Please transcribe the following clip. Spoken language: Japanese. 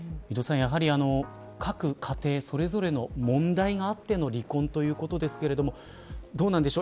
やはり、各家庭それぞれの問題があっての離婚ということですけれどもどうなんでしょう。